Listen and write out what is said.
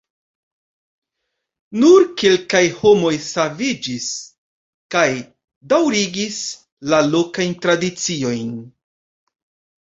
Nur kelkaj homoj saviĝis, kaj daŭrigis la lokajn tradiciojn.